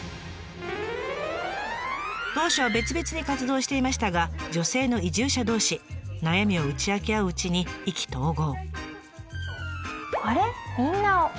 当初は別々に活動していましたが女性の移住者同士悩みを打ち明け合ううちに意気投合。